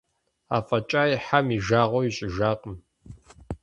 АфӀэкӀаи Хьэм и жагъуэ ищӀыжакъым.